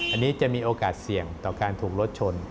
อันนี้จะมีโอกาสเสี่ยงต่อการถูกรถชน